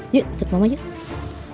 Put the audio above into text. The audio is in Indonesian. yuk ikut mama yuk